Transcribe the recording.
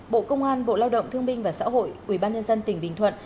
bộ công an bộ lao động thương minh và xã hội ubnd tỉnh bình thuận